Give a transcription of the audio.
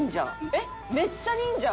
えっめっちゃ忍者！